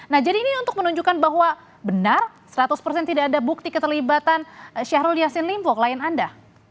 nah jadi ini untuk menunjukkan bahwa benar seratus persen tidak ada bukti keterlibatan syahrul yassin limpo klien anda